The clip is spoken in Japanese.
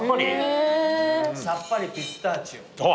さっぱりピスタチオ。